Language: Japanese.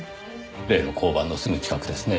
例の交番のすぐ近くですね。